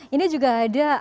ini juga ada